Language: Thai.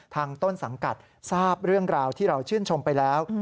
ต้นสังกัดทราบเรื่องราวที่เราชื่นชมไปแล้ว